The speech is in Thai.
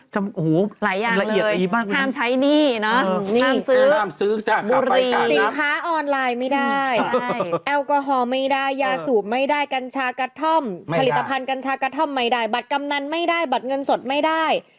หูรายอย่างเลยละเอียดอีกบ้างนะ